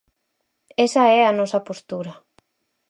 Esa é a nosa postura.